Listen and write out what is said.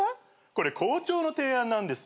これ校長の提案なんです。